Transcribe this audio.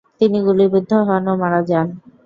তিনি গুলিবিদ্ধ হন ও মারা যান।